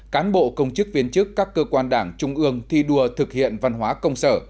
cán bộ công chức viên chức các cơ quan đảng trung ương thi đua thực hiện văn hóa công sở